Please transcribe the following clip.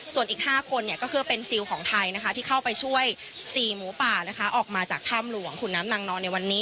ส่วนอีก๕คนก็คือเป็นซิลของไทยที่เข้าไปช่วย๔หมูป่าออกมาจากถ้ำหลวงขุนน้ำนางนอนในวันนี้